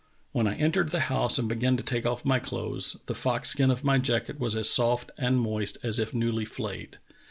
When I entered the liouse and began to take off my clothes the fox skin of my jacket was as soft and moist as if newly flayed.